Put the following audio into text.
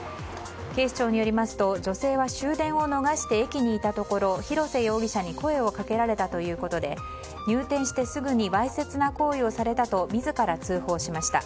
警視庁によりますと女性は終電を逃して駅にいたところ、広瀬容疑者に声をかけられたということで入店してすぐにわいせつな行為をされたと自ら通報しました。